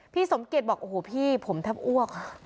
พี่สมเกตบอกโอ้โหพี่ผมแทบอ้วก